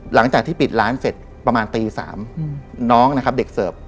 หลังจากที่ปิดร้านเสร็จประมาณตี๓น้องนะครับเด็กเสิร์ฟ